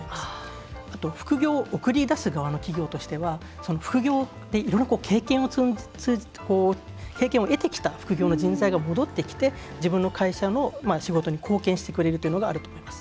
副業を送り出す企業には副業でいろんな経験を得てきた副業の人材が戻ってきて、自分の会社の仕事に貢献してくれるのがあると思います。